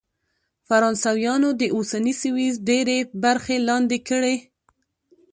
فرانسویانو د اوسني سویس ډېرې برخې لاندې کړې.